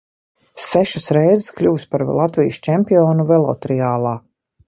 Sešas reizes kļuvis par Latvijas čempionu velotriālā.